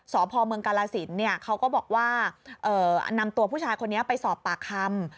สพเมืองกาลสินเขาก็บอกว่านำตัวผู้ชายคนนี้ไปสอบปากคำ